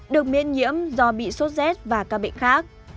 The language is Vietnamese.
được miễn nhiễm do bị sốt rét và các bệnh khác